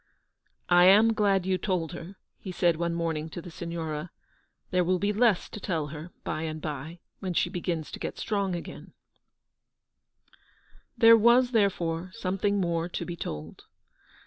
"lam glad you told her/' he said one morn ing to the Signora, "there will be less to tell her by and by, when she begins to get strong again." GOOD SAMARITANS. 159 There was, therefore, something more to be told.